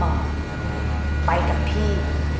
บอร์ดไปกับพี่